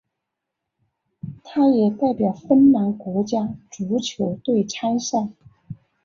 他也代表芬兰国家足球队参赛。